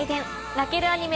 泣けるアニメ